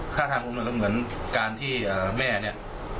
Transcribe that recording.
ท่าทางครูกำเนิดเหมือนการที่แม่นี่